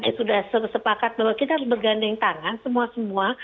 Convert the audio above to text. sudah sepakat bahwa kita harus bergandeng tangan semua semua